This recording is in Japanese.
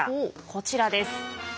こちらです。